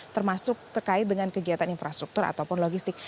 termasuk terkait dengan kegiatan infrastruktur ataupun logistik